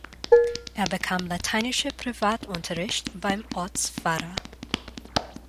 Er bekam lateinischen Privatunterricht beim Ortspfarrer.